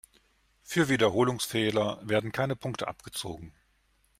Für Wiederholungsfehler werden keine Punkte abgezogen.